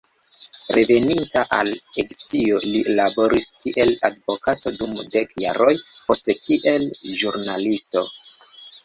Reveninta al Egiptio, li laboris kiel advokato dum dek jaroj, poste kiel ĵurnalisto.